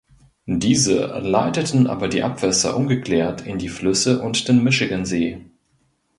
Diese leiteten aber die Abwässer ungeklärt in die Flüsse und den Michigansee.